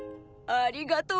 ありがとう！